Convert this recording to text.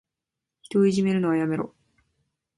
人をいじめるのはやめろ。